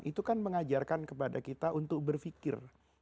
itu kan mengajarkan kepada kita untuk berpikir